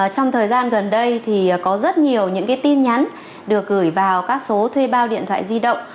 trong thời gian gần đây thì có rất nhiều những tin nhắn được gửi vào các số thuê bao điện thoại di động